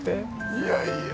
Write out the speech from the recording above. いやいや。